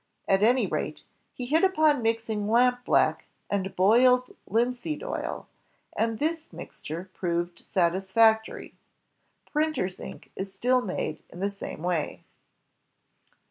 At any rate, he hit upon mixing lampblack and boiled linseed oil, and this mixture proved satisfactory. Printer's ink is still made in the same way.